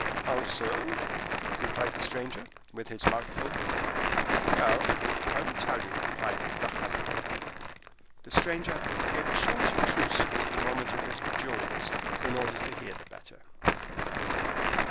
"How so?" replied the stranger, with his mouth full. "Well, I will tell you," replied D'Artagnan. The stranger gave a short truce to the movement of his jaws, in order to hear the better.